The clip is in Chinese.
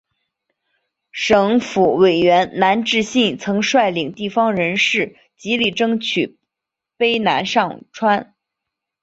省府委员南志信曾率领地方人士极力争取卑南上圳。